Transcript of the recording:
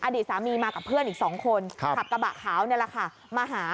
อดีตสามีมากับเพื่อนอีก๒คนขับกระบะขาวนี่แหละค่ะมาหา